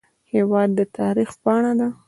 هېواد د تاریخ پاڼه ده.